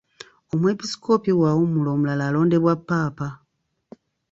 Omwepiskoopi bw'awummula, omulala alondebwa Ppaapa.